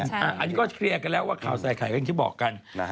อันนี้ก็เคลียร์กันแล้วว่าข่าวใส่ไข่ก็อย่างที่บอกกัน